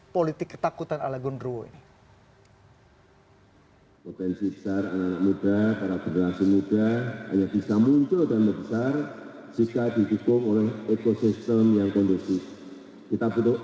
politik ketakutan alagun rowo ini